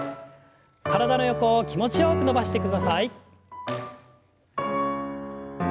体の横を気持ちよく伸ばしてください。